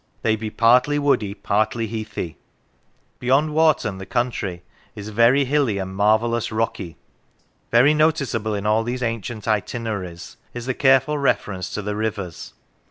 They be partly woody, partly heathy." Beyond Warton the country is " very hilly and mar vellous rocky." Very noticeable in all these ancient itineraries is the careful reference to the rivers.